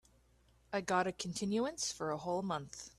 I got a continuance for a whole month.